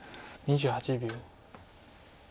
２８秒。